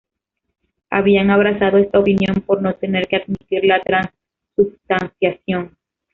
Habían abrazado esta opinión por no tener que admitir la transubstanciación.